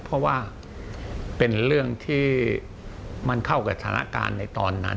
เพราะว่าเป็นเรื่องที่มันเข้ากับสถานการณ์ในตอนนั้น